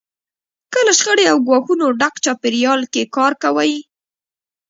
که له شخړې او ګواښونو ډک چاپېریال کې کار کوئ.